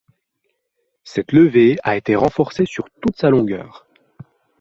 Cette levée a été renforcée sur toute sa longueur.